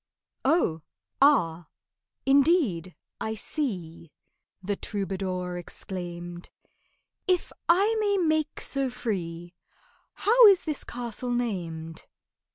"Oh, ah!—indeed—I see," The troubadour exclaimed— "If I may make so free, How is this castle named?"